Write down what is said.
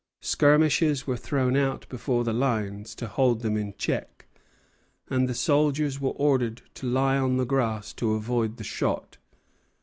Skirmishers were thrown out before the lines to hold them in check, and the soldiers were ordered to lie on the grass to avoid the shot.